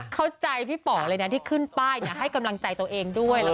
เข้าใจพี่ป๋อเลยนะที่ขึ้นป้ายให้กำลังใจตัวเองด้วย